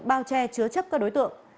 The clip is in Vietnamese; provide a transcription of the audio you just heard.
bao che chứa chấp các đối tượng